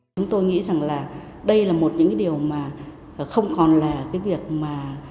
chúng tôi nghĩ rằng là đây là một những cái điều mà không còn là cái việc mà